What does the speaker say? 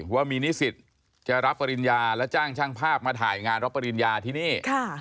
ว่ามีนิสิตจะรับปริญญาและจ้างช่างภาพมาถ่ายงานรับปริญญาที่นี่